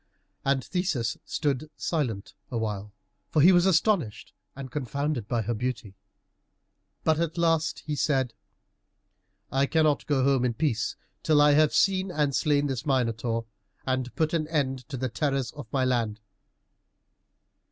And Theseus stood silent awhile, for he was astonished and confounded by her beauty. But at last he said, "I cannot go home in peace till I have seen and slain this Minotaur, and put an end to the terrors of my land."